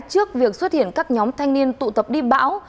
trước việc xuất hiện các nhóm thanh niên tụ tập đi bão